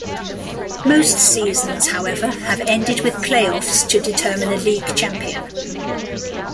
Most seasons, however, have ended with playoffs to determine a league champion.